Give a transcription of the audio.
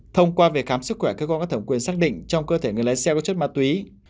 thông qua về khám sức khỏe cơ quan có thẩm quyền xác định trong cơ thể người lái xe có chất ma túy